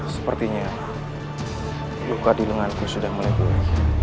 sepertinya luka di lenganku sudah melebuhi